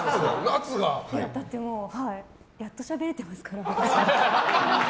だってやっとしゃべれてますから、私。